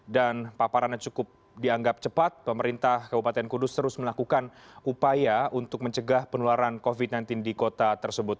dan paparannya cukup dianggap cepat pemerintah kabupaten kudus terus melakukan upaya untuk mencegah penularan covid sembilan belas di kota tersebut